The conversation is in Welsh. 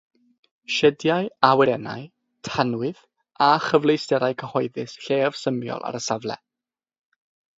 Siediau awyrennau, tanwydd, a chyfleusterau cyhoeddus lleiafsymiol ar y safle.